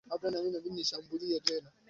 Lakini madai ya Wajerumani yalikuwa magumu